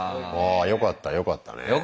あよかったよかったね。